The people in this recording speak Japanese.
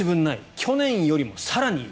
去年よりも更にいい